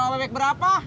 mau ke robek berapa